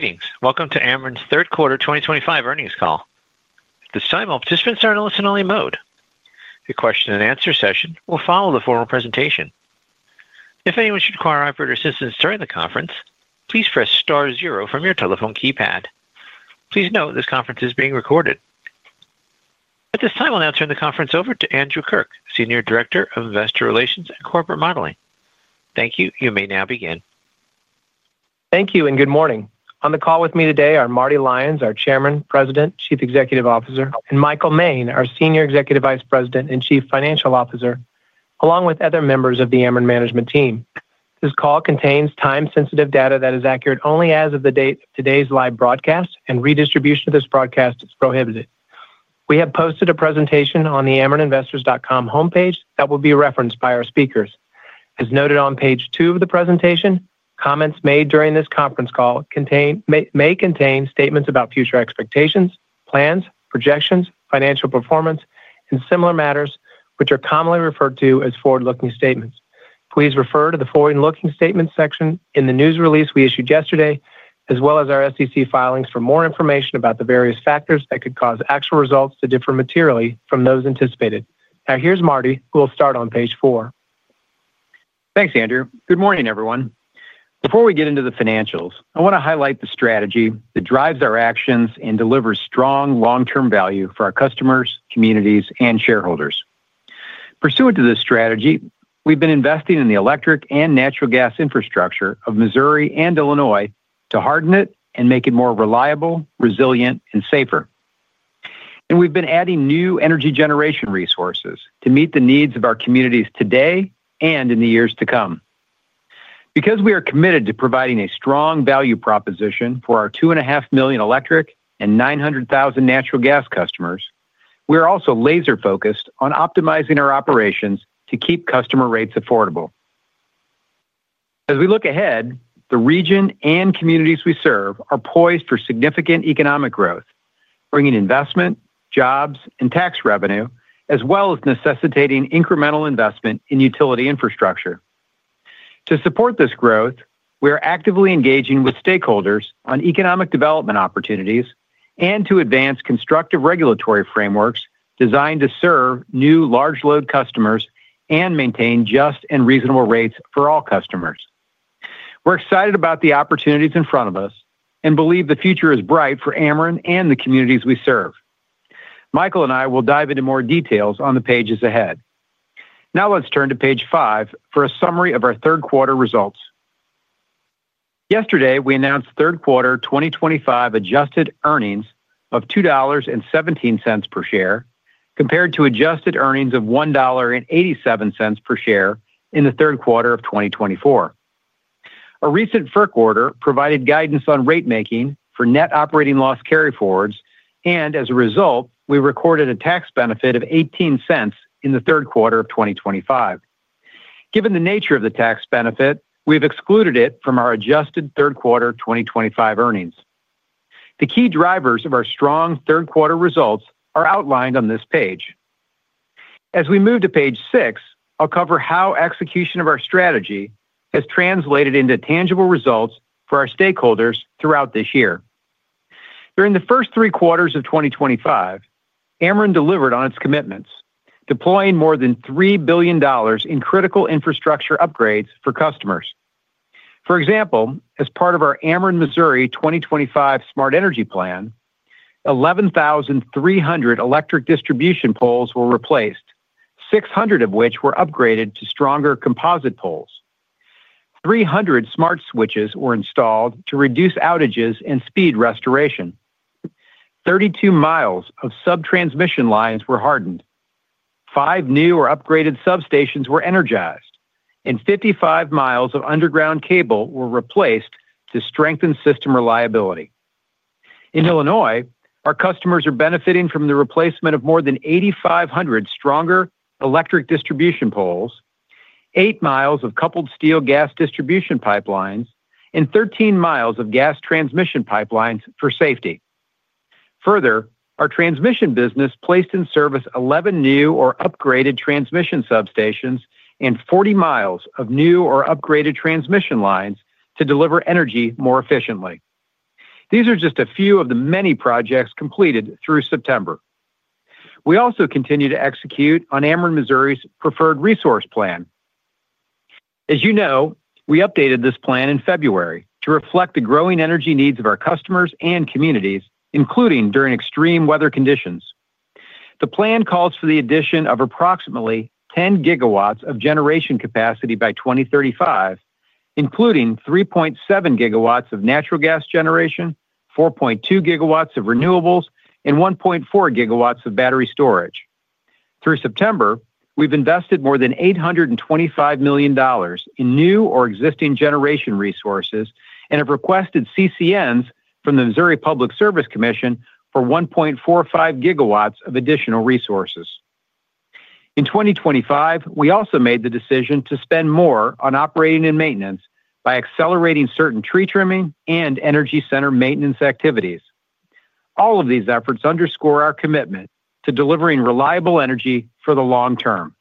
Greetings. Welcome to Ameren's Third Quarter 2025 Earnings Call. At this time, all participants are in a listen-only mode. The question-and-answer session will follow the formal presentation. If anyone should require operator assistance during the conference, please press star zero from your telephone keypad. Please note this conference is being recorded. At this time, I'll now turn the conference over to Andrew Kirk, Senior Director of Investor Relations and Corporate Modeling. Thank you. You may now begin. Thank you and good morning. On the call with me today are Marty Lyons, our Chairman, President, Chief Executive Officer, and Michael Moehn, our Senior Executive Vice President and Chief Financial Officer, along with other members of the Ameren Management Team. This call contains time-sensitive data that is accurate only as of the date of today's live broadcast, and redistribution of this broadcast is prohibited. We have posted a presentation on the amereninvestors.com homepage that will be referenced by our speakers. As noted on page two of the presentation, comments made during this conference call may contain statements about future expectations, plans, projections, financial performance, and similar matters, which are commonly referred to as forward-looking statements. Please refer to the forward-looking statements section in the news release we issued yesterday, as well as our SEC filings for more information about the various factors that could cause actual results to differ materially from those anticipated. Now, here's Marty, who will start on page four. Thanks, Andrew. Good morning, everyone. Before we get into the financials, I want to highlight the strategy that drives our actions and delivers strong long-term value for our customers, communities, and shareholders. Pursuant to this strategy, we've been investing in the electric and natural gas infrastructure of Missouri and Illinois to harden it and make it more reliable, resilient, and safer. We've been adding new energy generation resources to meet the needs of our communities today and in the years to come. Because we are committed to providing a strong value proposition for our 2.5 million electric and 900,000 natural gas customers, we are also laser-focused on optimizing our operations to keep customer rates affordable. As we look ahead, the region and communities we serve are poised for significant economic growth, bringing investment, jobs, and tax revenue, as well as necessitating incremental investment in utility infrastructure. To support this growth, we are actively engaging with stakeholders on economic development opportunities and to advance constructive regulatory frameworks designed to serve new large-load customers and maintain just and reasonable rates for all customers. We're excited about the opportunities in front of us and believe the future is bright for Ameren and the communities we serve. Michael and I will dive into more details on the pages ahead. Now let's turn to page five for a summary of our third quarter results. Yesterday, we announced third quarter 2025 adjusted earnings of $2.17 per share, compared to adjusted earnings of $1.87 per share in the third quarter of 2024. A recent FERC order provided guidance on rate-making for net operating loss carryforwards, and as a result, we recorded a tax benefit of $0.18 in the third quarter of 2025. Given the nature of the tax benefit, we've excluded it from our adjusted third quarter 2025 earnings. The key drivers of our strong third quarter results are outlined on this page. As we move to page six, I'll cover how execution of our strategy has translated into tangible results for our stakeholders throughout this year. During the first three quarters of 2025, Ameren delivered on its commitments, deploying more than $3 billion in critical infrastructure upgrades for customers. For example, as part of our Ameren Missouri 2025 Smart Energy Plan, 11,300 electric distribution poles were replaced, 600 of which were upgraded to stronger composite poles. 300 smart switches were installed to reduce outages and speed restoration. 32 mi of sub-transmission lines were hardened. Five new or upgraded substations were energized, and 55 mi of underground cable were replaced to strengthen system reliability. In Illinois, our customers are benefiting from the replacement of more than 8,500 stronger electric distribution poles, eight mi of coupled steel gas distribution pipelines, and 13 mi of gas transmission pipelines for safety. Further, our transmission business placed in service 11 new or upgraded transmission substations and 40 mi of new or upgraded transmission lines to deliver energy more efficiently. These are just a few of the many projects completed through September. We also continue to execute on Ameren Missouri's Preferred Resource Plan. As you know, we updated this plan in February to reflect the growing energy needs of our customers and communities, including during extreme weather conditions. The plan calls for the addition of approximately 10 GW of generation capacity by 2035, including 3.7 GW of natural gas generation, 4.2 GW of renewables, and 1.4 GW of battery storage. Through September, we've invested more than $825 million in new or existing generation resources and have requested CCNs from the Missouri Public Service Commission for 1.45 GW of additional resources. In 2025, we also made the decision to spend more on operating and maintenance by accelerating certain tree trimming and energy center maintenance activities. All of these efforts underscore our commitment to delivering reliable energy for the long term.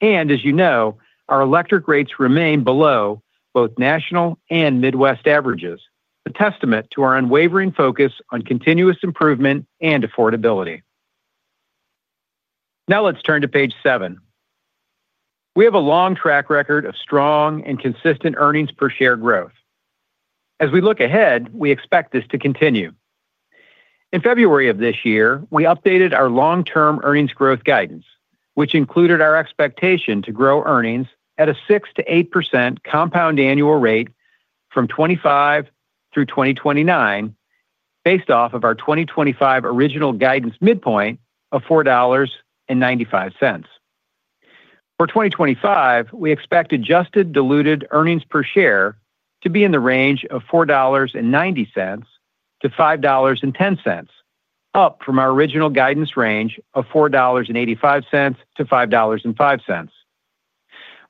As you know, our electric rates remain below both national and Midwest averages, a testament to our unwavering focus on continuous improvement and affordability. Now let's turn to page seven. We have a long track record of strong and consistent earnings per share growth. As we look ahead, we expect this to continue. In February of this year, we updated our long-term earnings growth guidance, which included our expectation to grow earnings at a 6%-8% compound annual rate from 2025 through 2029. Based off of our 2025 original guidance midpoint of $4.95. For 2025, we expect adjusted diluted earnings per share to be in the range of $4.90-$5.10, up from our original guidance range of $4.85-$5.05.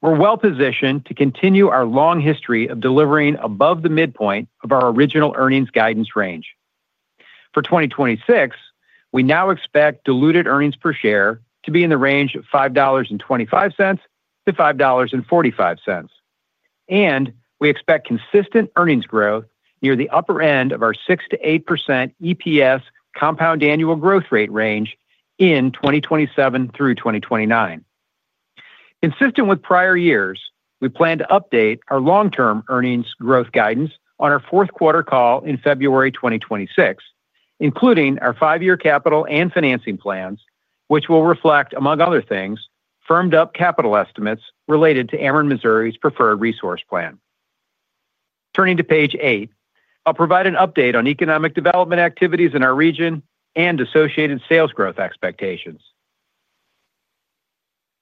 We're well positioned to continue our long history of delivering above the midpoint of our original earnings guidance range. For 2026, we now expect diluted earnings per share to be in the range of $5.25-$5.45. We expect consistent earnings growth near the upper end of our 6%-8% EPS compound annual growth rate range in 2027 through 2029. Consistent with prior years, we plan to update our long-term earnings growth guidance on our fourth quarter call in February 2026, including our five-year capital and financing plans, which will reflect, among other things, firmed-up capital estimates related to Ameren Missouri's Preferred Resource Plan. Turning to page eight, I'll provide an update on economic development activities in our region and associated sales growth expectations.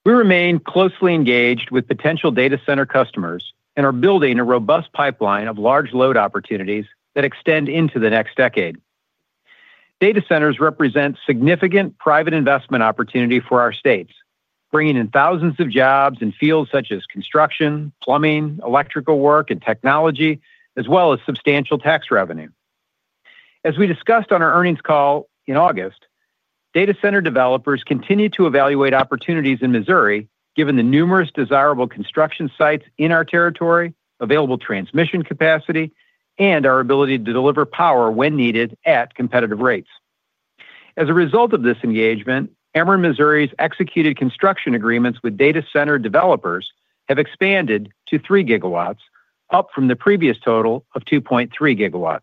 We remain closely engaged with potential data center customers and are building a robust pipeline of large-load opportunities that extend into the next decade. Data centers represent significant private investment opportunity for our states, bringing in thousands of jobs in fields such as construction, plumbing, electrical work, and technology, as well as substantial tax revenue. As we discussed on our earnings call in August, data center developers continue to evaluate opportunities in Missouri, given the numerous desirable construction sites in our territory, available transmission capacity, and our ability to deliver power when needed at competitive rates. As a result of this engagement, Ameren Missouri's executed construction agreements with data center developers have expanded to 3 GW, up from the previous total of 2.3 GW.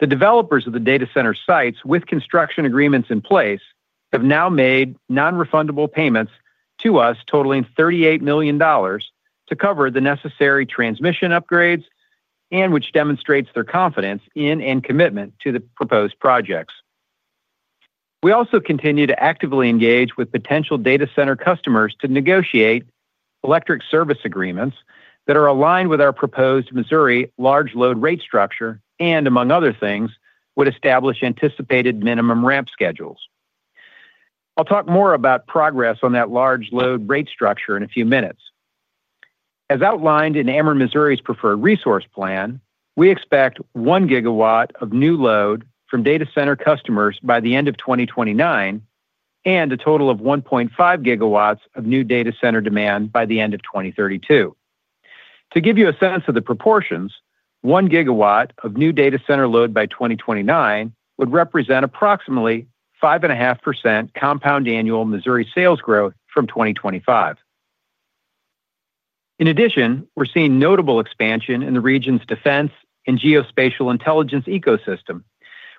The developers of the data center sites, with construction agreements in place, have now made non-refundable payments to us totaling $38 million to cover the necessary transmission upgrades, and which demonstrates their confidence in and commitment to the proposed projects. We also continue to actively engage with potential data center customers to negotiate electric service agreements that are aligned with our proposed Missouri large-load rate structure and, among other things, would establish anticipated minimum ramp schedules. I'll talk more about progress on that large-load rate structure in a few minutes. As outlined in Ameren Missouri's Preferred Resource Plan, we expect 1 GW of new load from data center customers by the end of 2029. A total of 1.5 GW of new data center demand by the end of 2032. To give you a sense of the proportions, 1 GW of new data center load by 2029 would represent approximately 5.5% compound annual Missouri sales growth from 2025. In addition, we're seeing notable expansion in the region's defense and geospatial intelligence ecosystem,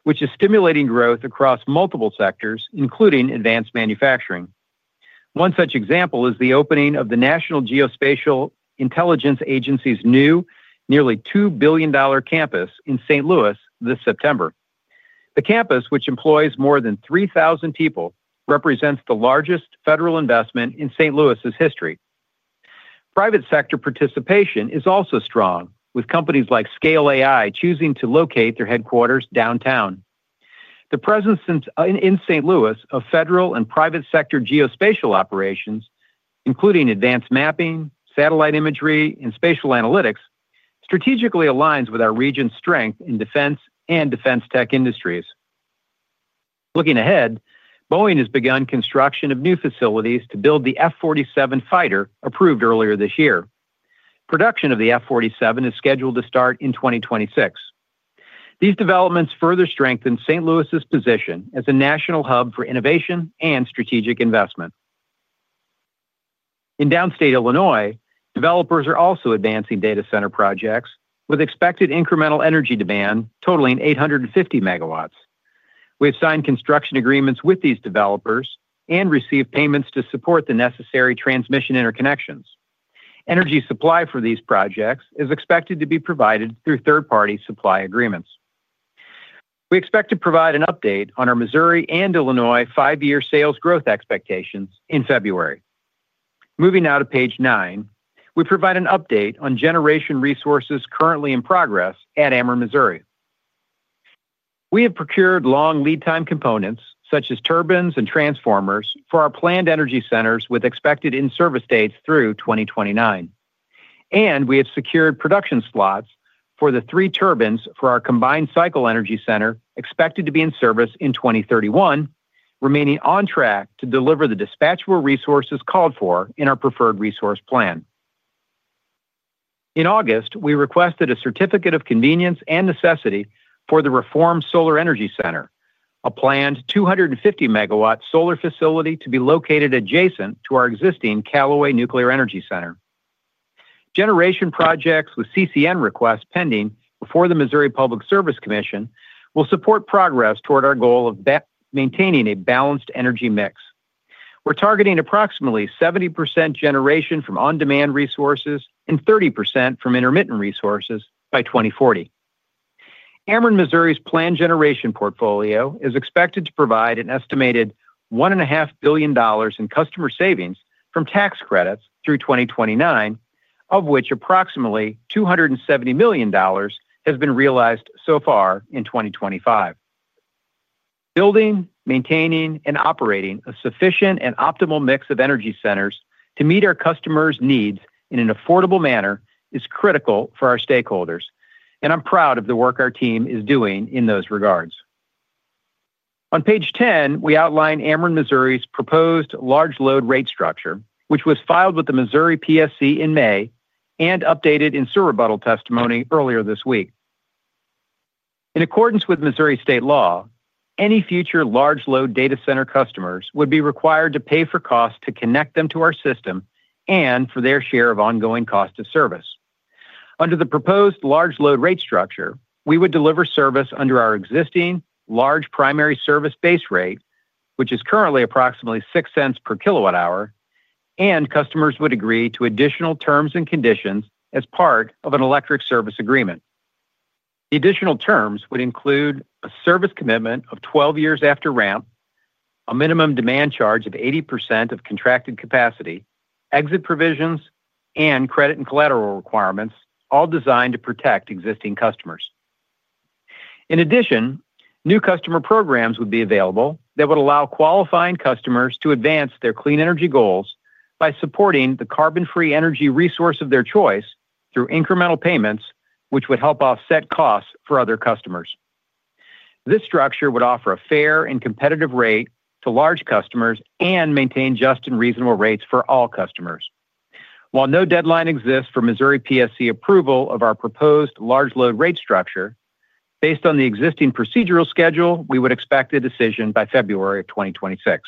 which is stimulating growth across multiple sectors, including advanced manufacturing. One such example is the opening of the National Geospatial-Intelligence Agency's new, nearly $2 billion campus in St. Louis this September. The campus, which employs more than 3,000 people, represents the largest federal investment in St. Louis' history. Private sector participation is also strong, with companies like Scale AI choosing to locate their headquarters downtown. The presence in St. Louis of federal and private sector geospatial operations, including advanced mapping, satellite imagery, and spatial analytics, strategically aligns with our region's strength in defense and defense tech industries. Looking ahead, Boeing has begun construction of new facilities to build the F-47 fighter approved earlier this year. Production of the F-47 is scheduled to start in 2026. These developments further strengthen St. Louis' position as a national hub for innovation and strategic investment. In Downstate Illinois, developers are also advancing data center projects with expected incremental energy demand totaling 850 MW. We have signed construction agreements with these developers and received payments to support the necessary transmission interconnections. Energy supply for these projects is expected to be provided through third-party supply agreements. We expect to provide an update on our Missouri and Illinois five-year sales growth expectations in February. Moving now to page nine, we provide an update on generation resources currently in progress at Ameren Missouri. We have procured long lead-time components such as turbines and transformers for our planned energy centers with expected in-service dates through 2029. We have secured production slots for the three turbines for our combined cycle energy center expected to be in service in 2031, remaining on track to deliver the dispatchable resources called for in our Preferred Resource Plan. In August, we requested a certificate of convenience and necessity for the Reform Solar Energy Center, a planned 250 MW solar facility to be located adjacent to our existing Callaway Nuclear Energy Center. Generation projects with CCN requests pending before the Missouri Public Service Commission will support progress toward our goal of maintaining a balanced energy mix. We're targeting approximately 70% generation from on-demand resources and 30% from intermittent resources by 2040. Ameren Missouri's planned generation portfolio is expected to provide an estimated $1.5 billion in customer savings from tax credits through 2029, of which approximately $270 million has been realized so far in 2025. Building, maintaining, and operating a sufficient and optimal mix of energy centers to meet our customers' needs in an affordable manner is critical for our stakeholders, and I'm proud of the work our team is doing in those regards. On page 10, we outline Ameren Missouri's proposed large-load rate structure, which was filed with the Missouri PSC in May and updated in surrebuttal testimony earlier this week. In accordance with Missouri State law, any future large-load data center customers would be required to pay for costs to connect them to our system and for their share of ongoing cost of service. Under the proposed large-load rate structure, we would deliver service under our existing large primary service base rate, which is currently approximately $0.06 per kWh, and customers would agree to additional terms and conditions as part of an electric service agreement. The additional terms would include a service commitment of 12 years after ramp, a minimum demand charge of 80% of contracted capacity, exit provisions, and credit and collateral requirements, all designed to protect existing customers. In addition, new customer programs would be available that would allow qualifying customers to advance their clean energy goals by supporting the carbon-free energy resource of their choice through incremental payments, which would help offset costs for other customers. This structure would offer a fair and competitive rate to large customers and maintain just and reasonable rates for all customers. While no deadline exists for Missouri PSC approval of our proposed large-load rate structure, based on the existing procedural schedule, we would expect a decision by February of 2026.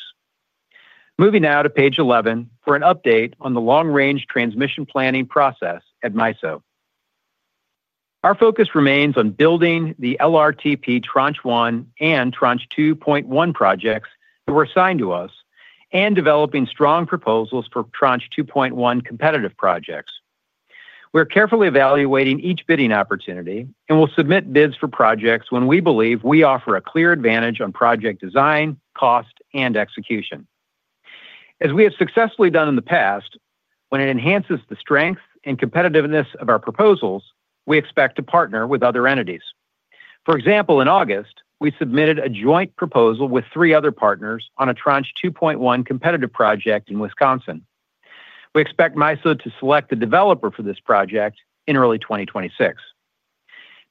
Moving now to page 11 for an update on the long-range transmission planning process at MISO. Our focus remains on building the LRTP Tranche 1 and Tranche 2.1 projects that were assigned to us and developing strong proposals for tranche 2.1 competitive projects. We're carefully evaluating each bidding opportunity and will submit bids for projects when we believe we offer a clear advantage on project design, cost, and execution. As we have successfully done in the past, when it enhances the strength and competitiveness of our proposals, we expect to partner with other entities. For example, in August, we submitted a joint proposal with three other partners on a Tranche 2.1 competitive project in Wisconsin. We expect MISO to select the developer for this project in early 2026.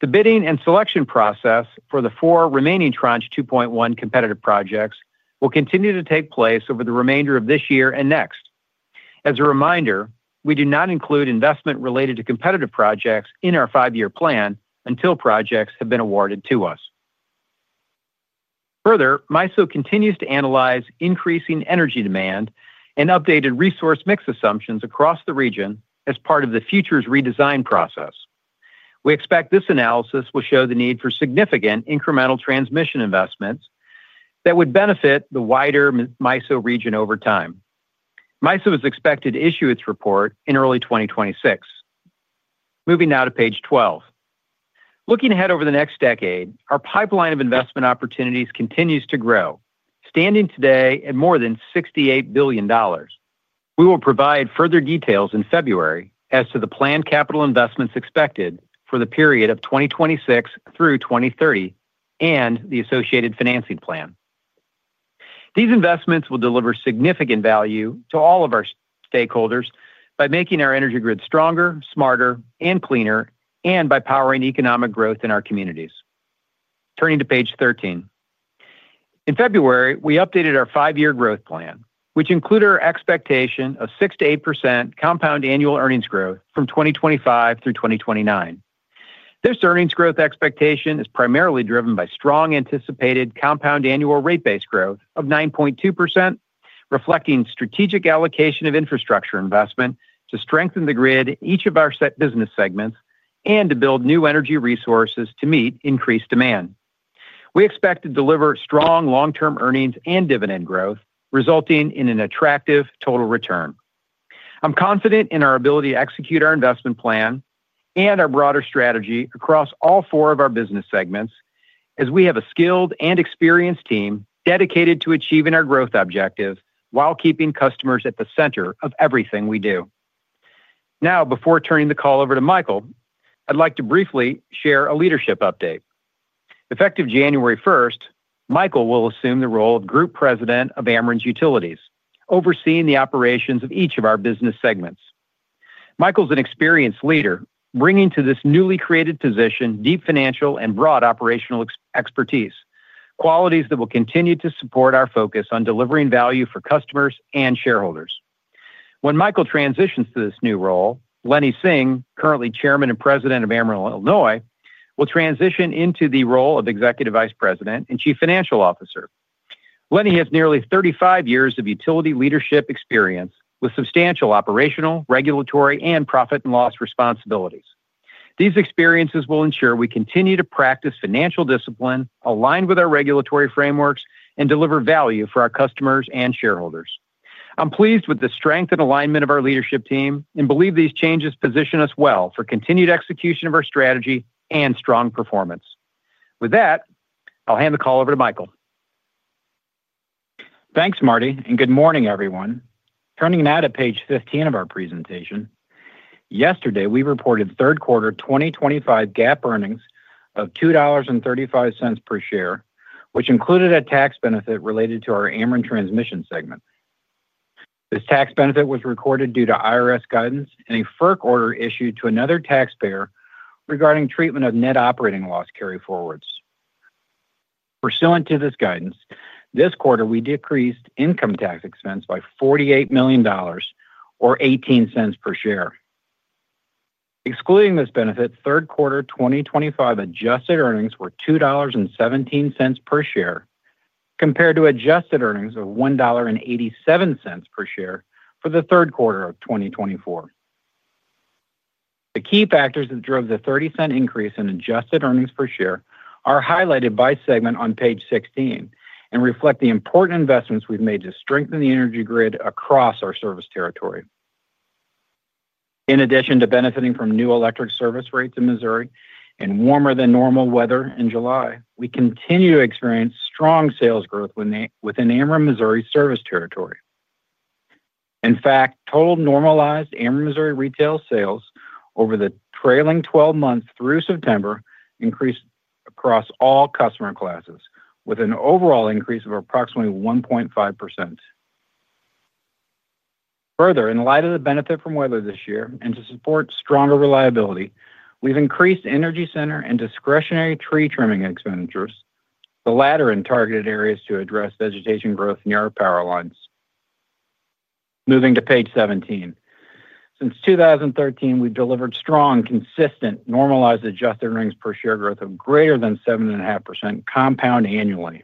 The bidding and selection process for the four remaining Tranche 2.1 competitive projects will continue to take place over the remainder of this year and next. As a reminder, we do not include investment related to competitive projects in our five-year plan until projects have been awarded to us. Further, MISO continues to analyze increasing energy demand and updated resource mix assumptions across the region as part of the futures redesign process. We expect this analysis will show the need for significant incremental transmission investments that would benefit the wider MISO region over time. MISO is expected to issue its report in early 2026. Moving now to page 12. Looking ahead over the next decade, our pipeline of investment opportunities continues to grow, standing today at more than $68 billion. We will provide further details in February as to the planned capital investments expected for the period of 2026 through 2030 and the associated financing plan. These investments will deliver significant value to all of our stakeholders by making our energy grid stronger, smarter, and cleaner, and by powering economic growth in our communities. Turning to page 13. In February, we updated our five-year growth plan, which included our expectation of 6%-8% compound annual earnings growth from 2025 through 2029. This earnings growth expectation is primarily driven by strong anticipated compound annual rate-based growth of 9.2%, reflecting strategic allocation of infrastructure investment to strengthen the grid in each of our business segments and to build new energy resources to meet increased demand. We expect to deliver strong long-term earnings and dividend growth, resulting in an attractive total return. I'm confident in our ability to execute our investment plan and our broader strategy across all four of our business segments, as we have a skilled and experienced team dedicated to achieving our growth objectives while keeping customers at the center of everything we do. Now, before turning the call over to Michael, I'd like to briefly share a leadership update. Effective January 1st, Michael will assume the role of Group President of Ameren's Utilities, overseeing the operations of each of our business segments. Michael's an experienced leader, bringing to this newly created position deep financial and broad operational expertise, qualities that will continue to support our focus on delivering value for customers and shareholders. When Michael transitions to this new role, Lenny Singh, currently Chairman and President of Ameren Illinois, will transition into the role of Executive Vice President and Chief Financial Officer. Lenny has nearly 35 years of utility leadership experience with substantial operational, regulatory, and profit and loss responsibilities. These experiences will ensure we continue to practice financial discipline aligned with our regulatory frameworks and deliver value for our customers and shareholders. I'm pleased with the strength and alignment of our leadership team and believe these changes position us well for continued execution of our strategy and strong performance. With that, I'll hand the call over to Michael. Thanks, Marty, and good morning, everyone. Turning now to page 15 of our presentation. Yesterday, we reported third quarter 2025 GAAP earnings of $2.35 per share, which included a tax benefit related to our Ameren Transmission segment. This tax benefit was recorded due to IRS guidance and a FERC order issued to another taxpayer regarding treatment of net operating loss carryforwards. Pursuant to this guidance, this quarter we decreased income tax expense by $48 million, or $0.18 per share. Excluding this benefit, third quarter 2025 adjusted earnings were $2.17 per share compared to adjusted earnings of $1.87 per share for the third quarter of 2024. The key factors that drove the $0.30 increase in adjusted earnings per share are highlighted by segment on page 16 and reflect the important investments we've made to strengthen the energy grid across our service territory. In addition to benefiting from new electric service rates in Missouri and warmer-than-normal weather in July, we continue to experience strong sales growth within Ameren Missouri service territory. In fact, total normalized Ameren Missouri retail sales over the trailing 12 months through September increased across all customer classes, with an overall increase of approximately 1.5%. Further, in light of the benefit from weather this year and to support stronger reliability, we've increased energy center and discretionary tree trimming expenditures, the latter in targeted areas to address vegetation growth near our power lines. Moving to page 17. Since 2013, we've delivered strong, consistent, normalized adjusted earnings per share growth of greater than 7.5% compound annually.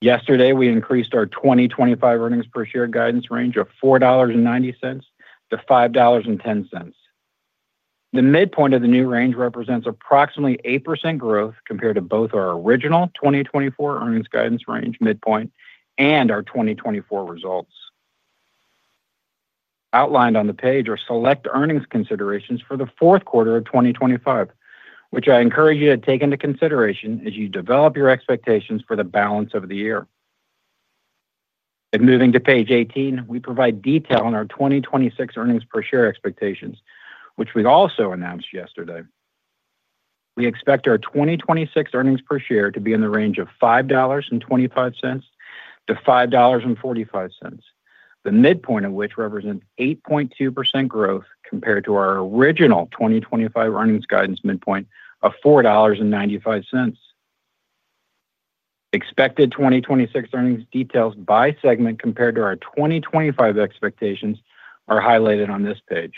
Yesterday, we increased our 2025 earnings per share guidance range of $4.90-$5.10. The midpoint of the new range represents approximately 8% growth compared to both our original 2024 earnings guidance range midpoint and our 2024 results. Outlined on the page are select earnings considerations for the fourth quarter of 2025, which I encourage you to take into consideration as you develop your expectations for the balance of the year. Moving to page 18, we provide detail on our 2026 earnings per share expectations, which we also announced yesterday. We expect our 2026 earnings per share to be in the range of $5.25-$5.45, the midpoint of which represents 8.2% growth compared to our original 2025 earnings guidance midpoint of $4.95. Expected 2026 earnings details by segment compared to our 2025 expectations are highlighted on this page.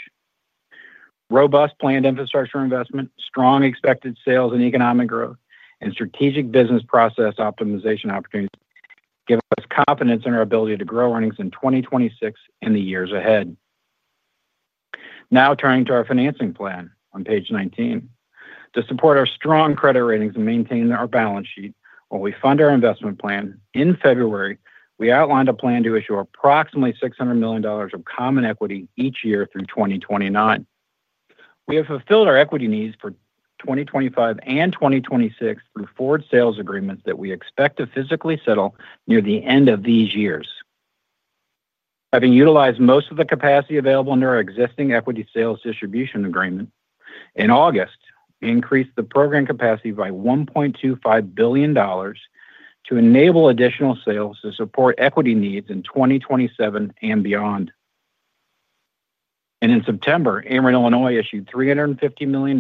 Robust planned infrastructure investment, strong expected sales and economic growth, and strategic business process optimization opportunities give us confidence in our ability to grow earnings in 2026 and the years ahead. Now turning to our financing plan on page 19. To support our strong credit ratings and maintain our balance sheet while we fund our investment plan in February, we outlined a plan to issue approximately $600 million of common equity each year through 2029. We have fulfilled our equity needs for 2025 and 2026 through forward sales agreements that we expect to physically settle near the end of these years. Having utilized most of the capacity available under our existing equity sales distribution agreement, in August, we increased the program capacity by $1.25 billion. To enable additional sales to support equity needs in 2027 and beyond. In September, Ameren Illinois issued $350 million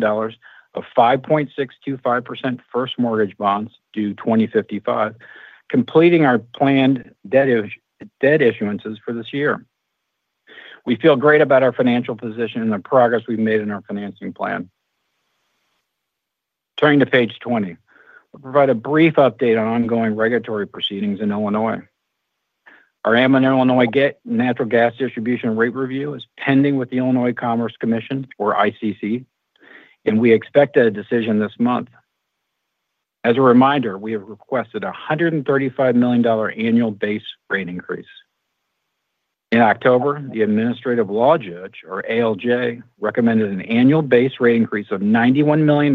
of 5.625% first mortgage bonds due 2055, completing our planned debt issuances for this year. We feel great about our financial position and the progress we have made in our financing plan. Turning to page 20, we will provide a brief update on ongoing regulatory proceedings in Illinois. Our Ameren Illinois natural gas distribution rate review is pending with the Illinois Commerce Commission, or ICC, and we expect a decision this month. As a reminder, we have requested a $135 million annual base rate increase. In October, the Administrative Law Judge, or ALJ, recommended an annual base rate increase of $91 million,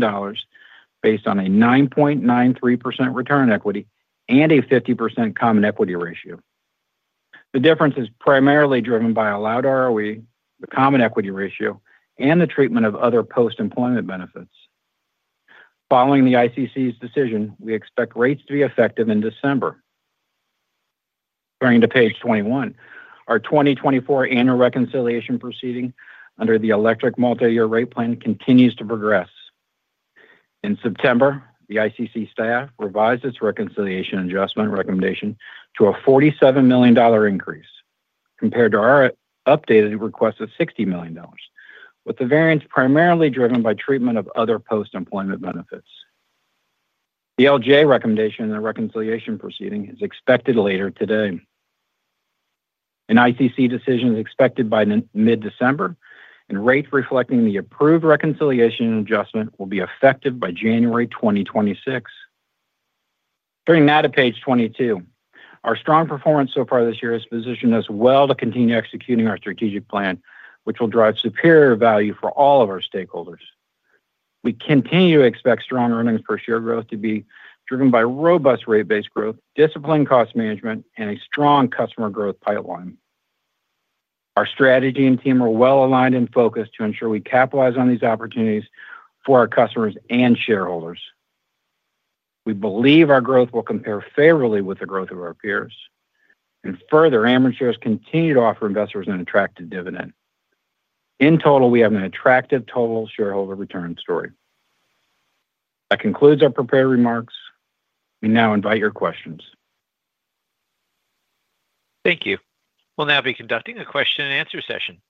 based on a 9.93% return on equity and a 50% common equity ratio. The difference is primarily driven by allowed ROE, the common equity ratio, and the treatment of other post-employment benefits. Following the ICC's decision, we expect rates to be effective in December. Turning to page 21, our 2024 annual reconciliation proceeding under the electric multi-year rate plan continues to progress. In September, the ICC staff revised its reconciliation adjustment recommendation to a $47 million increase compared to our updated request of $60 million, with the variance primarily driven by treatment of other post-employment benefits. The ALJ recommendation in the reconciliation proceeding is expected later today. An ICC decision is expected by mid-December, and rates reflecting the approved reconciliation adjustment will be effective by January 2026. Turning now to page 22, our strong performance so far this year has positioned us well to continue executing our strategic plan, which will drive superior value for all of our stakeholders. We continue to expect strong earnings per share growth to be driven by robust rate-based growth, disciplined cost management, and a strong customer growth pipeline. Our strategy and team are well aligned and focused to ensure we capitalize on these opportunities for our customers and shareholders. We believe our growth will compare favorably with the growth of our peers. Further, Ameren shares continue to offer investors an attractive dividend. In total, we have an attractive total shareholder return story. That concludes our prepared remarks. We now invite your questions. Thank you. We'll now be conducting a question-and-answer session.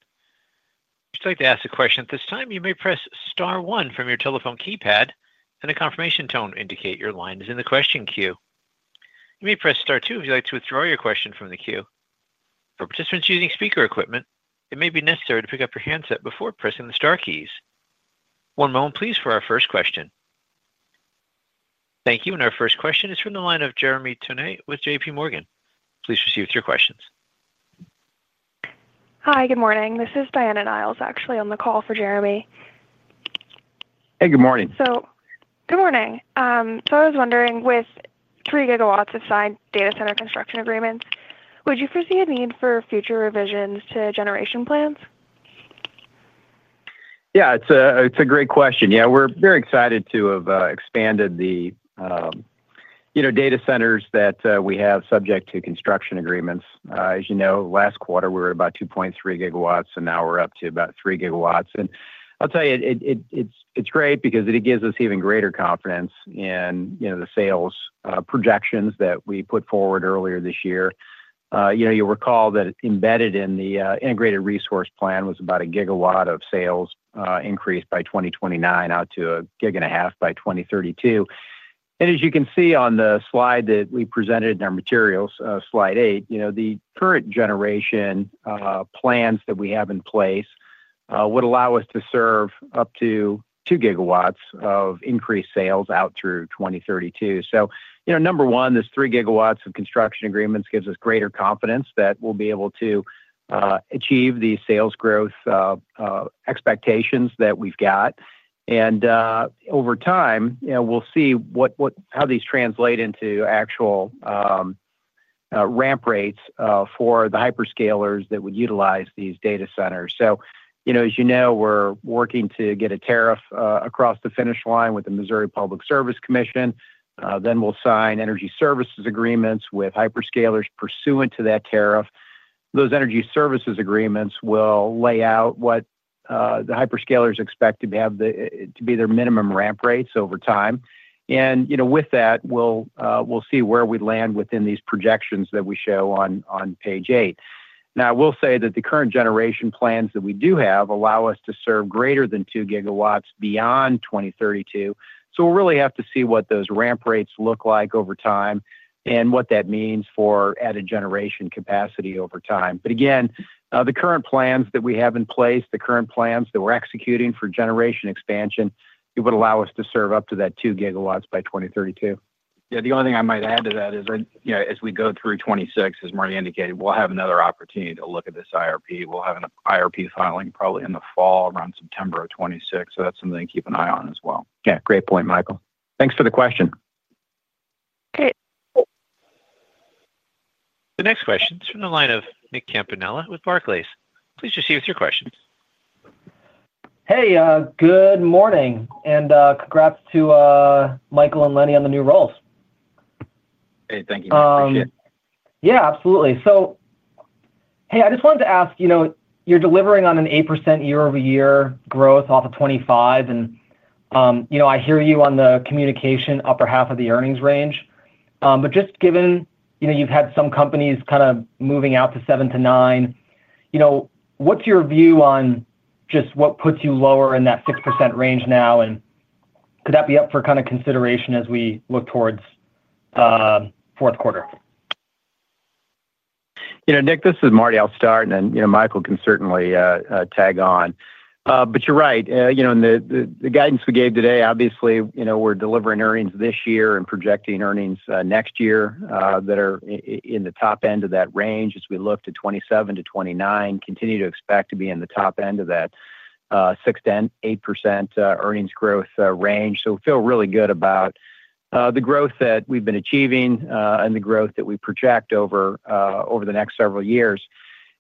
If you'd like to ask a question at this time, you may press star one from your telephone keypad, and a confirmation tone will indicate your line is in the question queue. You may press star two if you'd like to withdraw your question from the queue. For participants using speaker equipment, it may be necessary to pick up your handset before pressing the star keys. One moment, please, for our first question. Thank you. Our first question is from the line of Jeremy Tonet with JPMorgan. Please proceed with your questions. Hi, good morning. This is Diana Niles, actually on the call for Jeremy. Hey, good morning. Good morning. I was wondering, with three gigawatts of signed data center construction agreements, would you foresee a need for future revisions to generation plans? Yeah, it's a great question. Yeah, we're very excited to have expanded the data centers that we have subject to construction agreements. As you know, last quarter we were about 2.3 GW, and now we're up to about 3 GW. I'll tell you, it's great because it gives us even greater confidence in the sales projections that we put forward earlier this year. You'll recall that embedded in the integrated resource plan was about 1 GW of sales increased by 2029 out to 1.5 GW by 2032. As you can see on the slide that we presented in our materials, slide eight, the current generation plans that we have in place would allow us to serve up to 2 GW of increased sales out through 2032. Number one, this 3 GW of construction agreements gives us greater confidence that we'll be able to achieve these sales growth expectations that we've got. Over time, we'll see how these translate into actual ramp rates for the hyperscalers that would utilize these data centers. As you know, we're working to get a tariff across the finish line with the Missouri Public Service Commission. Then we'll sign energy services agreements with hyperscalers pursuant to that tariff. Those energy services agreements will lay out what the hyperscalers expect to be their minimum ramp rates over time. With that, we'll see where we land within these projections that we show on page eight. I will say that the current generation plans that we do have allow us to serve greater than 2 GW beyond 2032. We'll really have to see what those ramp rates look like over time and what that means for added generation capacity over time. Again, the current plans that we have in place, the current plans that we're executing for generation expansion, would allow us to serve up to that 2 GW by 2032. Yeah, the only thing I might add to that is, as we go through 2026, as Marty indicated, we'll have another opportunity to look at this IRP. We'll have an IRP filing probably in the fall around September of 2026. So that's something to keep an eye on as well. Yeah, great point, Michael. Thanks for the question. Great. The next question is from the line of Nick Campanella with Barclays. Please proceed with your questions. Hey, good morning. And congrats to Michael and Lenny on the new roles. Hey, thank you. Nice to meet you. Yeah, absolutely. So, hey, I just wanted to ask, you're delivering on an 8% year-over-year growth off of 2025. And I hear you on the communication upper half of the earnings range. But just given you've had some companies kind of moving out to 7%-9%. What's your view on just what puts you lower in that 6% range now? Could that be up for kind of consideration as we look towards fourth quarter? Nick, this is Marty, and then Michael can certainly tag on. You're right. The guidance we gave today, obviously, we're delivering earnings this year and projecting earnings next year that are in the top end of that range as we look to 2027 to 2029. Continue to expect to be in the top end of that 6%-8% earnings growth range. We feel really good about the growth that we've been achieving and the growth that we project over the next several years.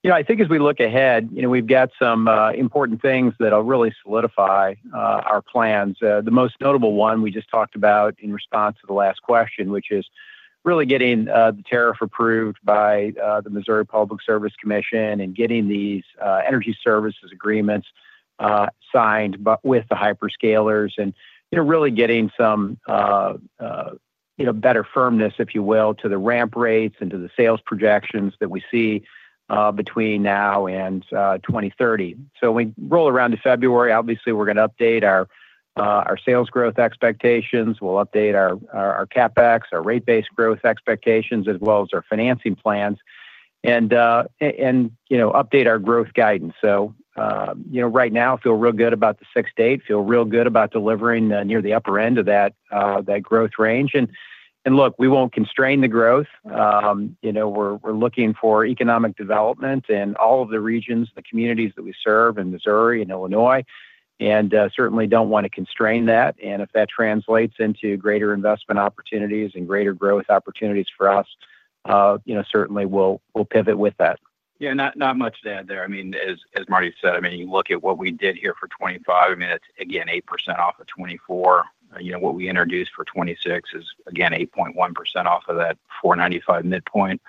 I think as we look ahead, we've got some important things that will really solidify our plans. The most notable one we just talked about in response to the last question, which is really getting the tariff approved by the Missouri Public Service Commission and getting these energy services agreements signed with the hyperscalers and really getting some better firmness, if you will, to the ramp rates and to the sales projections that we see between now and 2030. As we roll around to February, obviously, we're going to update our sales growth expectations. We'll update our CapEx, our rate-based growth expectations, as well as our financing plans, and update our growth guidance. Right now, feel real good about the 6%-8%. Feel real good about delivering near the upper end of that growth range. Look, we won't constrain the growth. We're looking for economic development in all of the regions and the communities that we serve in Missouri and Illinois, and certainly do not want to constrain that. If that translates into greater investment opportunities and greater growth opportunities for us, certainly we will pivot with that. Yeah, not much to add there. I mean, as Marty said, you look at what we did here for 2025. It is, again, 8% off of 2024. What we introduced for 2026 is, again, 8.1% off of that $4.95 midpoint.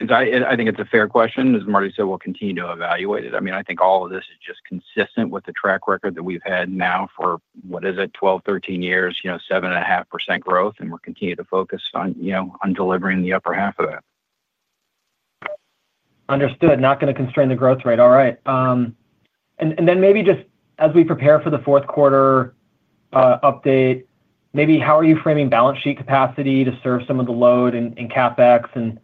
I think it is a fair question. As Marty said, we will continue to evaluate it. I mean, I think all of this is just consistent with the track record that we have had now for, what is it, 12, 13 years, 7.5% growth, and we will continue to focus on delivering the upper half of that. Understood. Not going to constrain the growth rate. All right. Maybe just as we prepare for the fourth quarter, update, maybe how are you framing balance sheet capacity to serve some of the load in CapEx?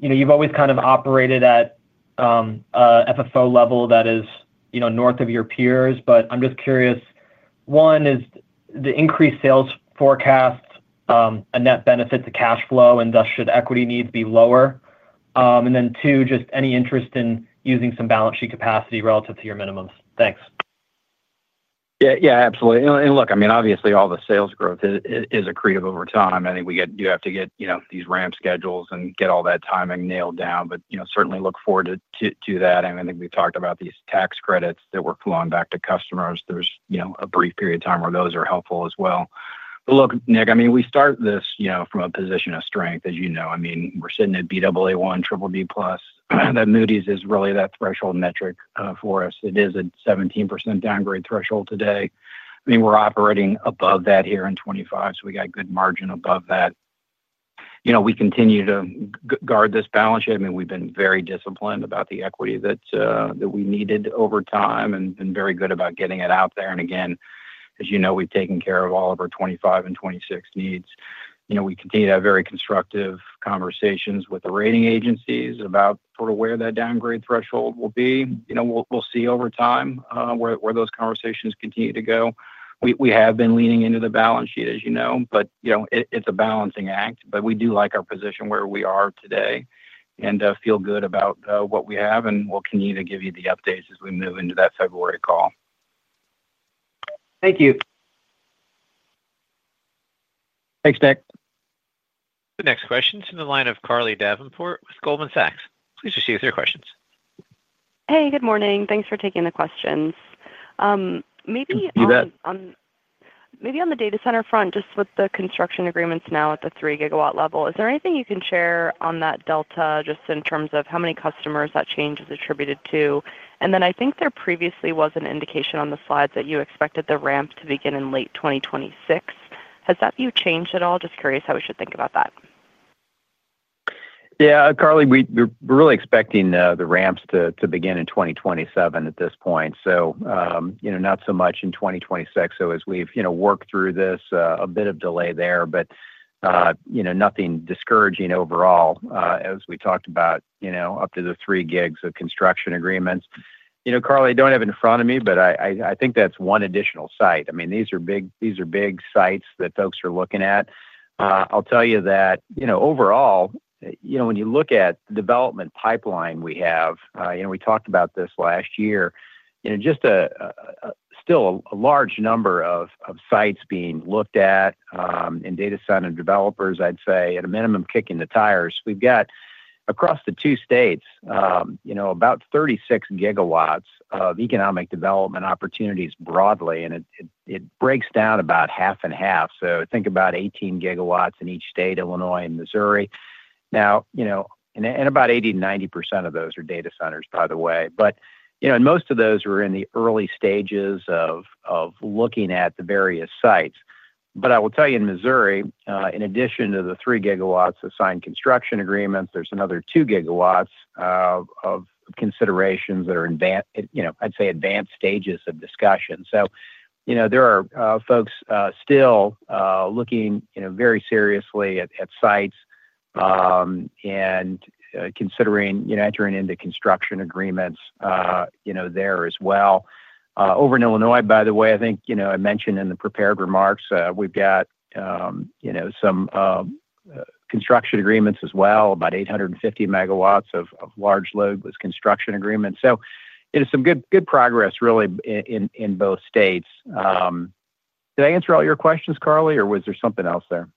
You have always kind of operated at FFO level that is north of your peers, but I am just curious. One, is the increased sales forecast a net benefit to cash flow, and thus should equity needs be lower? Two, just any interest in using some balance sheet capacity relative to your minimums? Thanks. Yeah, absolutely. Look, I mean, obviously, all the sales growth is accretive over time. I think you have to get these ramp schedules and get all that timing nailed down, but certainly look forward to that. I think we have talked about these tax credits that we are flowing back to customers. There is a brief period of time where those are helpful as well. Look, Nick, I mean, we start this from a position of strength, as you know. I mean, we're sitting at Baa1, BBB+. That Moody's is really that threshold metric for us. It is a 17% downgrade threshold today. I mean, we're operating above that here in 2025, so we got a good margin above that. We continue to guard this balance sheet. I mean, we've been very disciplined about the equity that we needed over time and been very good about getting it out there. Again, as you know, we've taken care of all of our 2025 and 2026 needs. We continue to have very constructive conversations with the rating agencies about sort of where that downgrade threshold will be. We'll see over time where those conversations continue to go. We have been leaning into the balance sheet, as you know, but it's a balancing act. But we do like our position where we are today and feel good about what we have, and we'll continue to give you the updates as we move into that February call. Thank you. Thanks, Nick. The next question is from the line of Carly Davenport with Goldman Sachs. Please proceed with your questions. Hey, good morning. Thanks for taking the questions. Maybe on the data center front, just with the construction agreements now at the 3 GW level, is there anything you can share on that delta, just in terms of how many customers that change is attributed to? And then I think there previously was an indication on the slides that you expected the ramp to begin in late 2026. Has that view changed at all? Just curious how we should think about that. Yeah, Carly, we're really expecting the ramps to begin in 2027 at this point. Not so much in 2026. As we've worked through this, a bit of delay there, but nothing discouraging overall, as we talked about. Up to the 3 GW of construction agreements. Carly, I don't have it in front of me, but I think that's one additional site. I mean, these are big sites that folks are looking at. I'll tell you that overall, when you look at the development pipeline we have, we talked about this last year, just still a large number of sites being looked at. And data center developers, I'd say, at a minimum, kicking the tires. We've got, across the two states, about 36 GW of economic development opportunities broadly, and it breaks down about half and half. Think about 18 GW in each state, Illinois and Missouri. Now. About 80%-90% of those are data centers, by the way. Most of those were in the early stages of looking at the various sites. I will tell you, in Missouri, in addition to the 3 GW of signed construction agreements, there is another 2 GW of considerations that are, I'd say, advanced stages of discussion. There are folks still looking very seriously at sites and entering into construction agreements there as well. Over in Illinois, by the way, I think I mentioned in the prepared remarks, we have some construction agreements as well, about 850 MW of large load with construction agreements. It is some good progress, really, in both states. Did I answer all your questions, Carly, or was there something else there?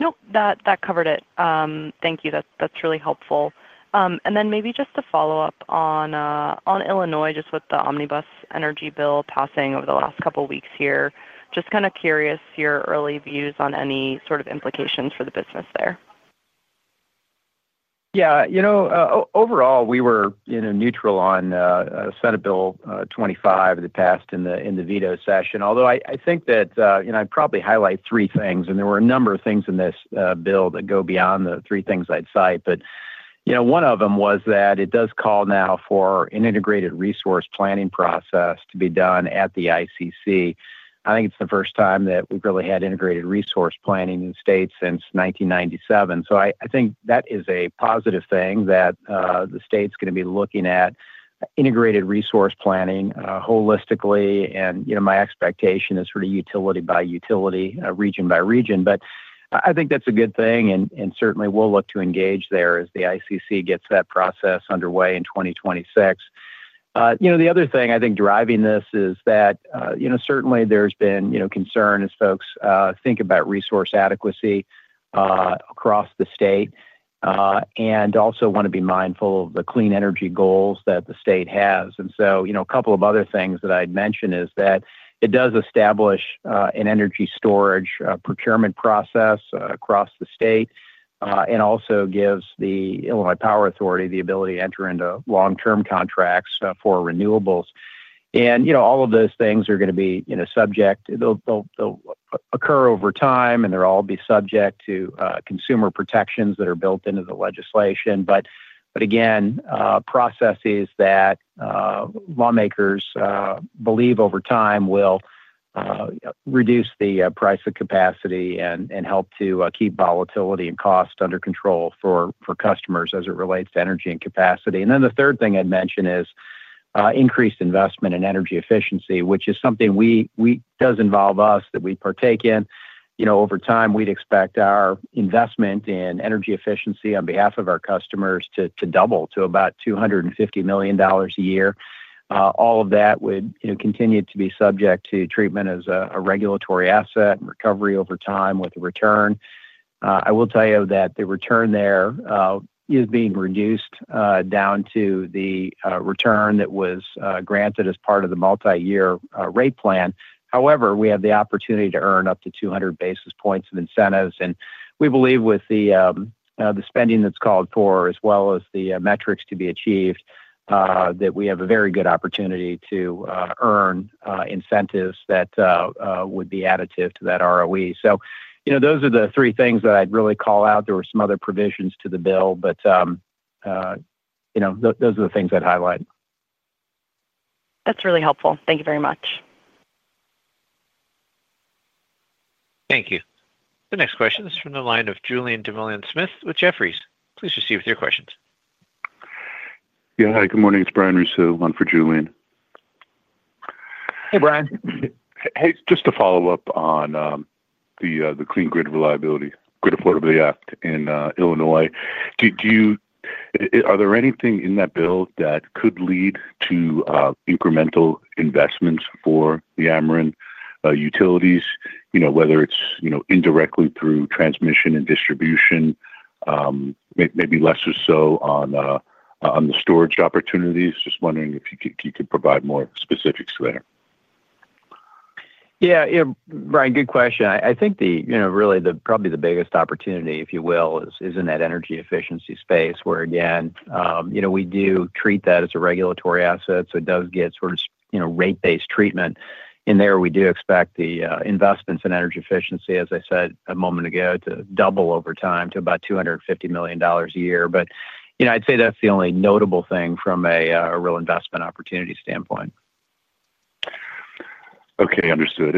Nope, that covered it. Thank you. That is really helpful. Maybe just to follow-up on. Illinois, just with the Omnibus Energy bill passing over the last couple of weeks here, just kind of curious your early views on any sort of implications for the business there. Yeah. Overall, we were neutral on Senate Bill 25 that passed in the veto session. Although I think that I'd probably highlight three things, and there were a number of things in this bill that go beyond the three things I'd cite. One of them was that it does call now for an integrated resource planning process to be done at the ICC. I think it's the first time that we've really had integrated resource planning in the state since 1997. I think that is a positive thing that the state's going to be looking at. Integrated resource planning holistically. My expectation is for the utility by utility, region by region. I think that's a good thing, and certainly we'll look to engage there as the ICC gets that process underway in 2026. The other thing I think driving this is that certainly there's been concern as folks think about resource adequacy across the state. I also want to be mindful of the clean energy goals that the state has. A couple of other things that I'd mention is that it does establish an energy storage procurement process across the state and also gives the Illinois Power Authority the ability to enter into long-term contracts for renewables. All of those things are going to be subject to consumer protections that are built into the legislation. Again, processes that lawmakers believe over time will. Reduce the price of capacity and help to keep volatility and cost under control for customers as it relates to energy and capacity. The third thing I'd mention is increased investment in energy efficiency, which is something that does involve us, that we partake in. Over time, we'd expect our investment in energy efficiency on behalf of our customers to double to about $250 million a year. All of that would continue to be subject to treatment as a regulatory asset and recovery over time with a return. I will tell you that the return there is being reduced down to the return that was granted as part of the multi-year rate plan. However, we have the opportunity to earn up to 200 basis points of incentives, and we believe with the spending that's called for, as well as the metrics to be achieved. That we have a very good opportunity to earn incentives that would be additive to that ROE. Those are the three things that I'd really call out. There were some other provisions to the bill, but those are the things I'd highlight. That's really helpful. Thank you very much. Thank you. The next question is from the line of Julien Dumoulin-Smith with Jefferies. Please proceed with your questions. Yeah. Hi, good morning. It's Brian Russo for Julien. Hey, Brian. Hey, just to follow-up on the Clean Grid Reliability, Grid Affordability Act in Illinois. Are there anything in that bill that could lead to incremental investments for the Ameren utilities, whether it's indirectly through transmission and distribution, maybe less or so on the storage opportunities? Just wondering if you could provide more specifics there. Yeah. Brian, good question. I think really probably the biggest opportunity, if you will, is in that energy efficiency space where, again, we do treat that as a regulatory asset. So it does get sort of rate-based treatment. In there, we do expect the investments in energy efficiency, as I said a moment ago, to double over time to about $250 million a year. I'd say that's the only notable thing from a real investment opportunity standpoint. Okay. Understood.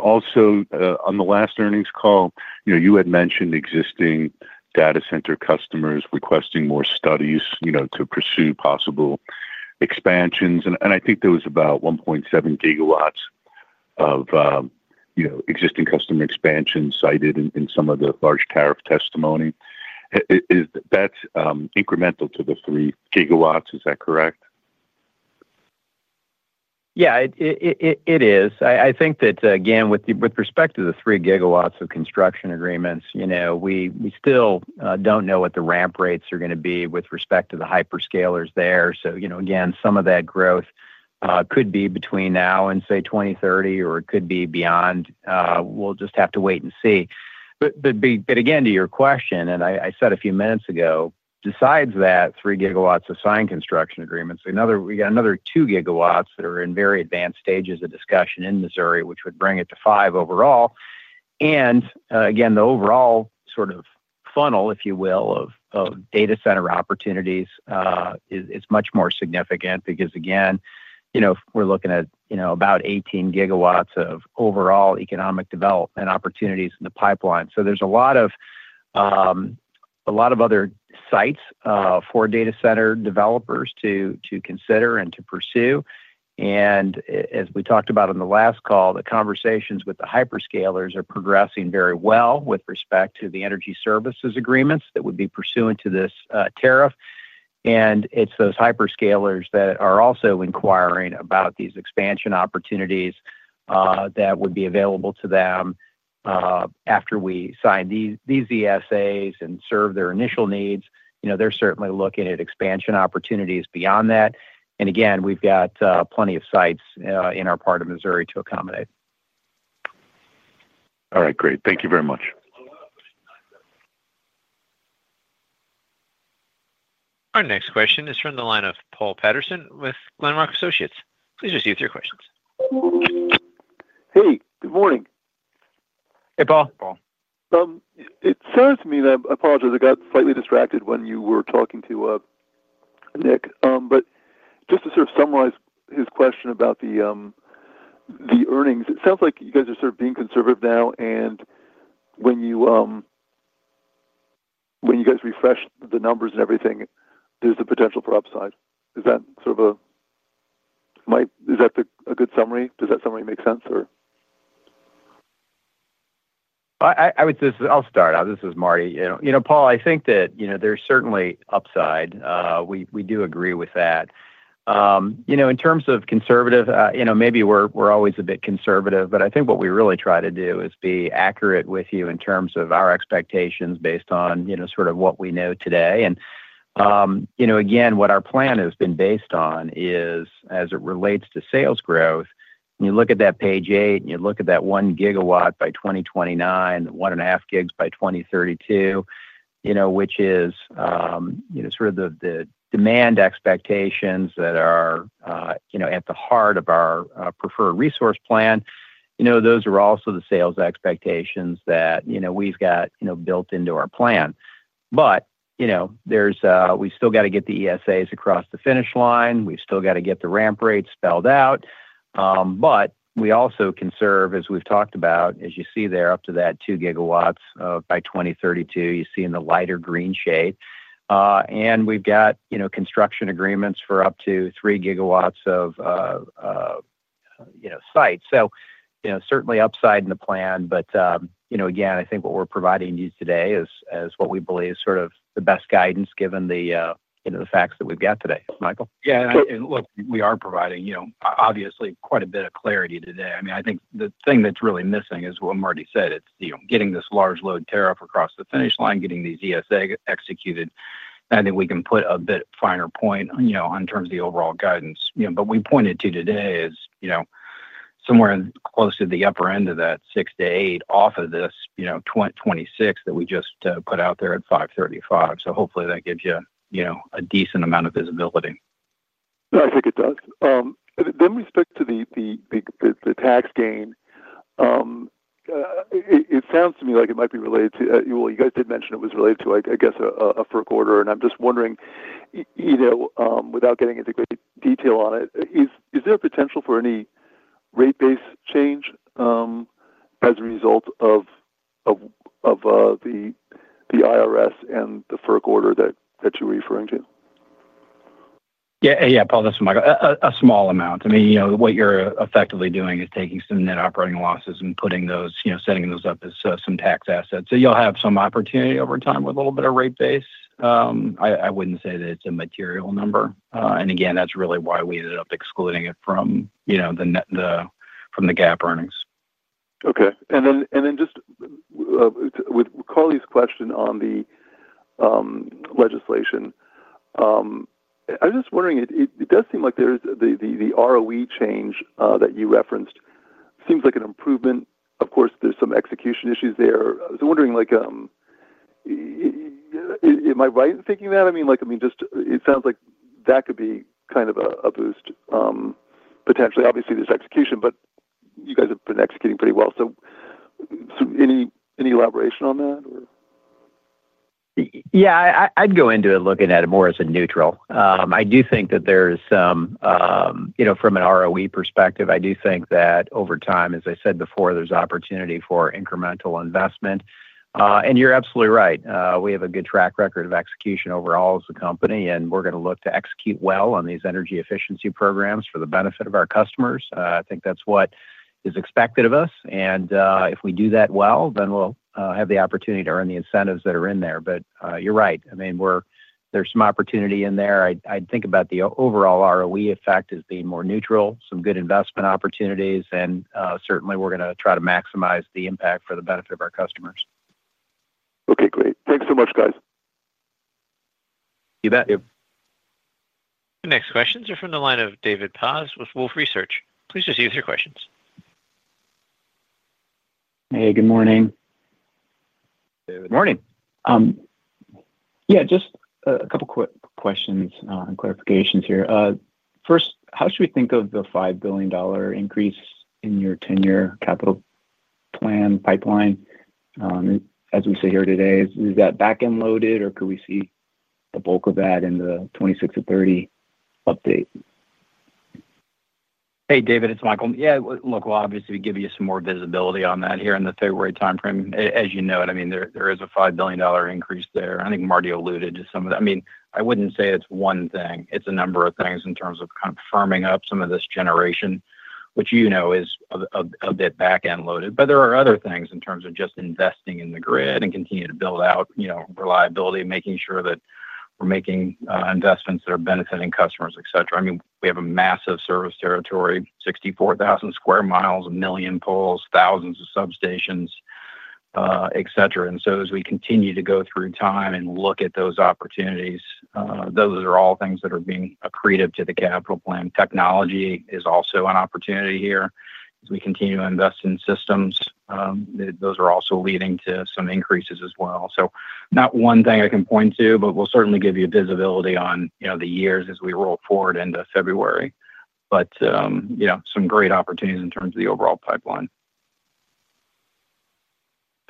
Also, on the last earnings call, you had mentioned existing data center customers requesting more studies to pursue possible expansions. I think there was about 1.7 GW of existing customer expansion cited in some of the large tariff testimony. Is that incremental to the 3 GW? Is that correct? Yeah, it is. I think that, again, with respect to the 3 GW of construction agreements, we still do not know what the ramp rates are going to be with respect to the hyperscalers there. Again, some of that growth could be between now and, say, 2030, or it could be beyond. We will just have to wait and see. To your question, and I said a few minutes ago, besides that 3 GW of signed construction agreements, we have another 2 GW that are in very advanced stages of discussion in Missouri, which would bring it to 5 overall. The overall sort of funnel, if you will, of data center opportunities is much more significant because, again, we are looking at about 18 GW of overall economic development opportunities in the pipeline. There are a lot of other sites for data center developers to consider and to pursue. As we talked about in the last call, the conversations with the hyperscalers are progressing very well with respect to the energy services agreements that would be pursuant to this tariff. It is those hyperscalers that are also inquiring about these expansion opportunities that would be available to them after we sign these ESAs and serve their initial needs. They are certainly looking at expansion opportunities beyond that. We have plenty of sites in our part of Missouri to accommodate. All right. Great. Thank you very much. Our next question is from the line of Paul Patterson with Glenrock Associates. Please proceed with your questions. Hey, good morning. Hey, Paul. It sounds to me that I apologize. I got slightly distracted when you were talking to Nick. Just to sort of summarize his question about the. Earnings, it sounds like you guys are sort of being conservative now. When you guys refresh the numbers and everything, there's the potential for upside. Is that sort of a, is that a good summary? Does that summary make sense, or? I'll start. This is Marty. Paul, I think that there's certainly upside. We do agree with that. In terms of conservative, maybe we're always a bit conservative, but I think what we really try to do is be accurate with you in terms of our expectations based on sort of what we know today. Again, what our plan has been based on is, as it relates to sales growth, when you look at that page eight, and you look at that 1 GW by 2029, 1.5 GW by 2032, which is sort of the demand expectations that are at the heart of our preferred resource plan. Those are also the sales expectations that we've got built into our plan. We still got to get the ESAs across the finish line. We've still got to get the ramp rates spelled out. We also conserve, as we've talked about, as you see there, up to that 2 GW by 2032, you see in the lighter green shade. We've got construction agreements for up to 3 GW of sites. Certainly upside in the plan. I think what we're providing you today is what we believe is sort of the best guidance given the facts that we've got today. Michael? Yeah. Look, we are providing, obviously, quite a bit of clarity today. I mean, I think the thing that's really missing is what Marty said. It's getting this large load tariff across the finish line, getting these ESAs executed. I think we can put a bit finer point on terms of the overall guidance. What we pointed to today is somewhere close to the upper end of that 6%-8% off of this 26% that we just put out there at $535. Hopefully, that gives you a decent amount of visibility. I think it does. With respect to the tax gain, it sounds to me like it might be related to, well, you guys did mention it was related to, I guess, a FERC order. I am just wondering, without getting into great detail on it, is there a potential for any rate-based change as a result of the IRS and the FERC order that you were referring to? Yeah. Yeah, Paul, that is what Michael. A small amount. I mean, what you're effectively doing is taking some net operating losses and setting those up as some tax assets. You'll have some opportunity over time with a little bit of rate base. I wouldn't say that it's a material number. Again, that's really why we ended up excluding it from the GAAP earnings. Okay. Then just with Carly's question on the legislation, I'm just wondering, it does seem like the ROE change that you referenced seems like an improvement. Of course, there's some execution issues there. I was wondering, am I right in thinking that? I mean, just it sounds like that could be kind of a boost, potentially. Obviously, there's execution, but you guys have been executing pretty well. Any elaboration on that, or? Yeah. I'd go into it looking at it more as a neutral. I do think that there's some. From an ROE perspective, I do think that over time, as I said before, there's opportunity for incremental investment. You're absolutely right. We have a good track record of execution overall as a company, and we're going to look to execute well on these energy efficiency programs for the benefit of our customers. I think that's what is expected of us. If we do that well, then we'll have the opportunity to earn the incentives that are in there. You're right. I mean, there's some opportunity in there. I'd think about the overall ROE effect as being more neutral, some good investment opportunities, and certainly, we're going to try to maximize the impact for the benefit of our customers. Okay. Great. Thanks so much, guys. You bet. The next questions are from the line of David Paz with Wolfe Research. Please proceed with your questions. Hey, good morning. Good morning. Yeah. Just a couple of quick questions and clarifications here. First, how should we think of the $5 billion increase in your 10-year capital plan pipeline as we sit here today? Is that back-end loaded, or could we see the bulk of that in the 2026 to 2030 update? Hey, David, it's Michael. Yeah. Look, obviously, we give you some more visibility on that here in the February timeframe. As you know, I mean, there is a $5 billion increase there. I think Marty alluded to some of that. I mean, I wouldn't say it's one thing. It's a number of things in terms of kind of firming up some of this generation, which you know is a bit back-end loaded. There are other things in terms of just investing in the grid and continuing to build out reliability, making sure that we're making investments that are benefiting customers, etc. I mean, we have a massive service territory, 64,000 sq mi, a million poles, thousands of substations, etc. As we continue to go through time and look at those opportunities, those are all things that are being accretive to the capital plan. Technology is also an opportunity here. As we continue to invest in systems, those are also leading to some increases as well. Not one thing I can point to, but we'll certainly give you visibility on the years as we roll forward into February. Some great opportunities in terms of the overall pipeline.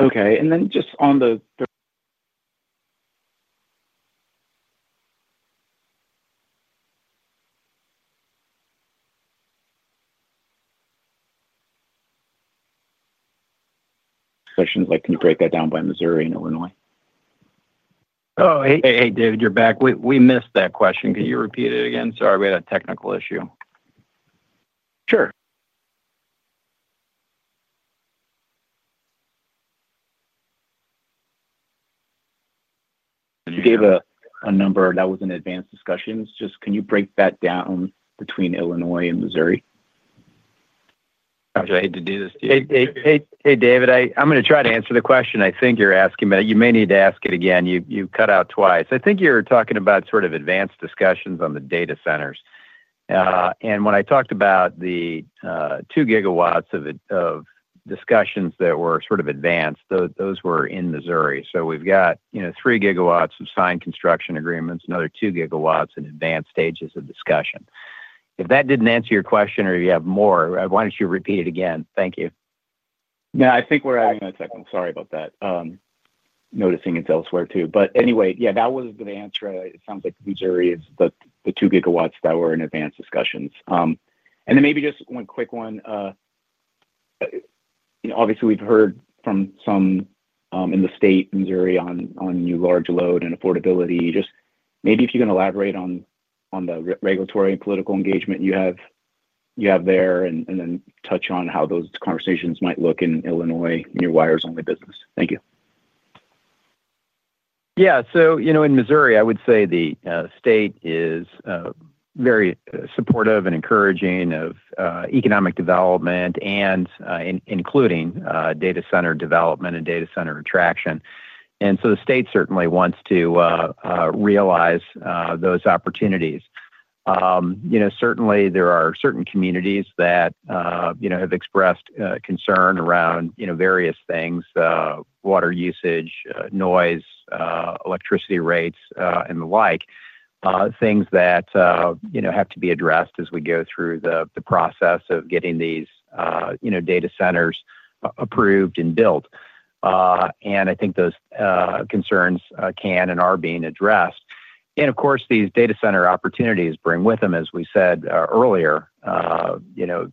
Okay. And then just on the. Questions, like, "Can you break that down by Missouri and Illinois?" Oh, hey, David, you're back. We missed that question. Can you repeat it again? Sorry, we had a technical issue. Sure. You gave a number that was in advanced discussions. Just can you break that down between Illinois and Missouri? I'm sorry. I hate to do this to you. Hey, David, I'm going to try to answer the question I think you're asking, but you may need to ask it again. You cut out twice. I think you're talking about sort of advanced discussions on the data centers. And when I talked about the 2 GW of discussions that were sort of advanced, those were in Missouri. So we've got 3 GW of signed construction agreements, another 2 GW in advanced stages of discussion. If that did not answer your question, or you have more, why do you not repeat it again? Thank you. Yeah. I think we are having a technical—sorry about that. Noticing it is elsewhere too. Anyway, yeah, that was the answer. It sounds like Missouri is the 2 GW that were in advanced discussions. Maybe just one quick one. Obviously, we have heard from some in the state, Missouri, on new large load and affordability. Just maybe if you can elaborate on the regulatory and political engagement you have there, and then touch on how those conversations might look in Illinois in your wires-only business. Thank you. Yeah. In Missouri, I would say the state is very supportive and encouraging of economic development, including data center development and data center attraction. The state certainly wants to realize those opportunities. Certainly, there are certain communities that. Have expressed concern around various things. Water usage, noise, electricity rates, and the like. Things that have to be addressed as we go through the process of getting these data centers approved and built. I think those concerns can and are being addressed. Of course, these data center opportunities bring with them, as we said earlier,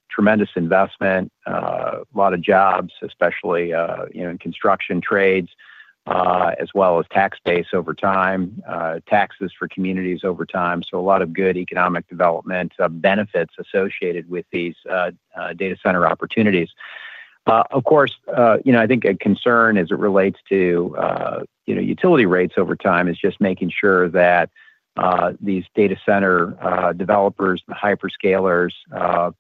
tremendous investment. A lot of jobs, especially in construction trades, as well as tax base over time, taxes for communities over time. A lot of good economic development benefits associated with these data center opportunities. Of course, I think a concern as it relates to utility rates over time is just making sure that these data center developers, the hyperscalers.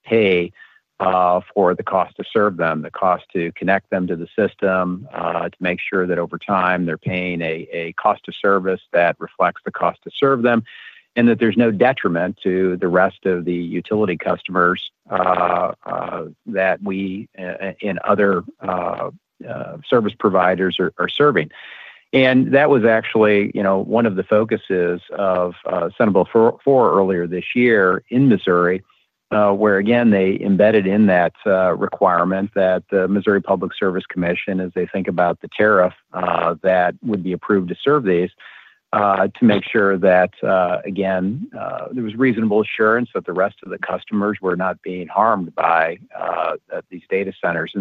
Pay for the cost to serve them, the cost to connect them to the system, to make sure that over time they're paying a cost of service that reflects the cost to serve them, and that there's no detriment to the rest of the utility customers that we and other service providers are serving. That was actually one of the focuses of Senate Bill 4 earlier this year in Missouri, where, again, they embedded in that requirement that the Missouri Public Service Commission, as they think about the tariff that would be approved to serve these, to make sure that, again, there was reasonable assurance that the rest of the customers were not being harmed by these data centers.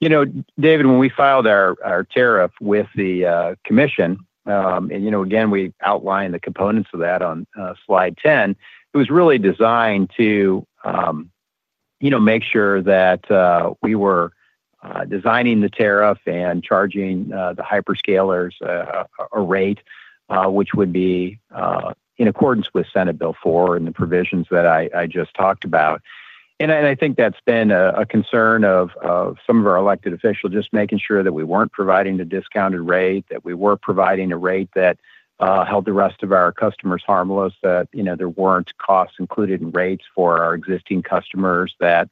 David, when we filed our tariff with the commission, and again, we outlined the components of that on slide 10, it was really designed to. Make sure that we were designing the tariff and charging the hyperscalers a rate, which would be in accordance with Senate Bill 4 and the provisions that I just talked about. I think that's been a concern of some of our elected officials, just making sure that we weren't providing the discounted rate, that we were providing a rate that held the rest of our customers harmless, that there weren't costs included in rates for our existing customers that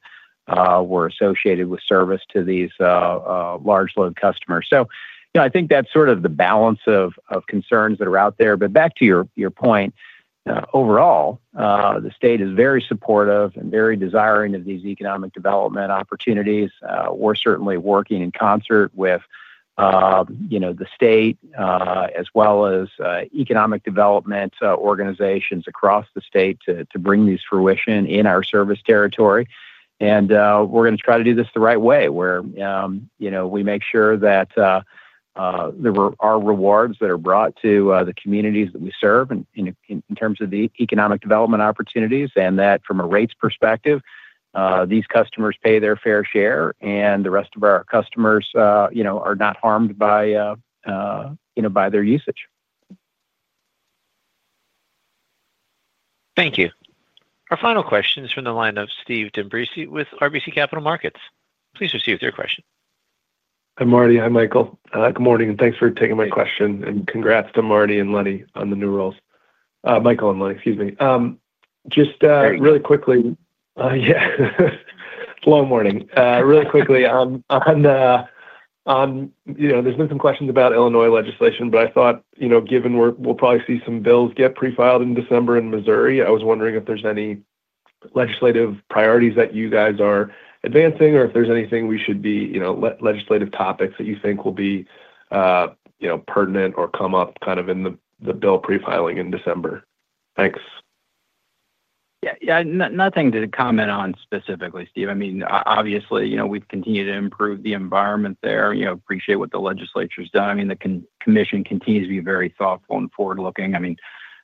were associated with service to these large load customers. I think that's sort of the balance of concerns that are out there. Back to your point, overall, the state is very supportive and very desiring of these economic development opportunities. We're certainly working in concert with the state as well as economic development organizations across the state to bring these to fruition in our service territory. We're going to try to do this the right way, where we make sure that there are rewards that are brought to the communities that we serve in terms of the economic development opportunities and that from a rates perspective, these customers pay their fair share, and the rest of our customers are not harmed by their usage. Thank you. Our final question is from the line of Steve D’Ambrisi with RBC Capital Markets. Please proceed with your question. Hi, Marty. Hi, Michael. Good morning, and thanks for taking my question. And congrats to Marty and Lenny on the new roles. Michael and Lenny, excuse me. Just really quickly, yeah, long morning. Really quickly, on, there's been some questions about Illinois legislation, but I thought, given we'll probably see some bills get prefiled in December in Missouri, I was wondering if there's any. Legislative priorities that you guys are advancing or if there's anything we should be legislative topics that you think will be. Pertinent or come up kind of in the bill prefiling in December. Thanks. Yeah. Nothing to comment on specifically, Steve. I mean, obviously, we've continued to improve the environment there. Appreciate what the legislature's done. I mean, the commission continues to be very thoughtful and forward-looking. I mean,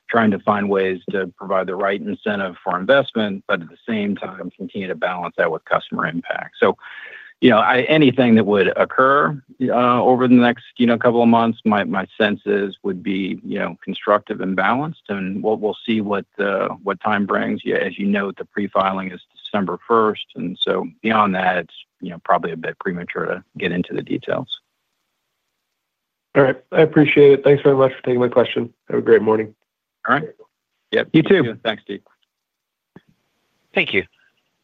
trying to find ways to provide the right incentive for investment, but at the same time, continue to balance that with customer impact. Anything that would occur over the next couple of months, my sense is, would be constructive and balanced. We'll see what time brings. As you know, the prefiling is December 1st. Beyond that, it's probably a bit premature to get into the details. All right. I appreciate it. Thanks very much for taking my question. Have a great morning. All right. Yep. You too. Thanks, Steve. Thank you.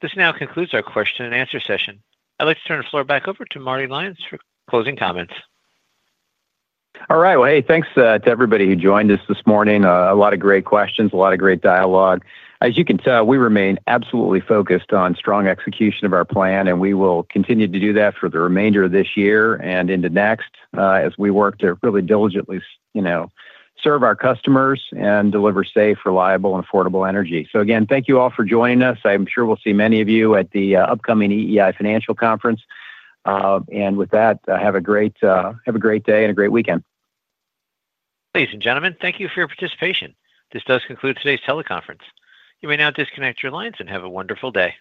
This now concludes our question-and-answer session. I'd like to turn the floor back over to Marty Lyons for closing comments. All right. Hey, thanks to everybody who joined us this morning. A lot of great questions, a lot of great dialogue. As you can tell, we remain absolutely focused on strong execution of our plan, and we will continue to do that for the remainder of this year and into next as we work to really diligently serve our customers and deliver safe, reliable, and affordable energy. Again, thank you all for joining us. I'm sure we'll see many of you at the upcoming EEI Financial Conference. With that, have a great day and a great weekend. Ladies and gentlemen, thank you for your participation. This does conclude today's teleconference. You may now disconnect your lines and have a wonderful day.